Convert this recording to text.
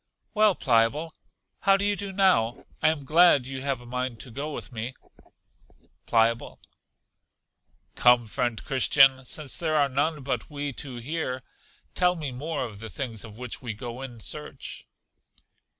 Well, Pliable, how do you do now? I am glad you have a mind to go with me. Pliable. Come, friend Christian, since there are none but we two here, tell me more of the things of which we go in search.